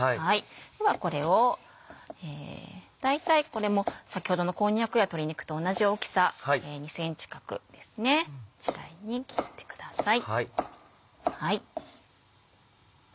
ではこれを大体これも先ほどのこんにゃくや鶏肉と同じ大きさ２ｃｍ角ですね２ｃｍ大に切ってください。